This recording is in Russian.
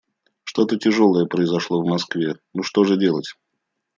Что-то тяжелое произошло в Москве... Ну что же делать?..